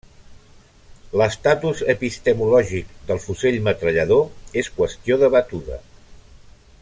L'estatus epistemològic del fusell metrallador és qüestió debatuda.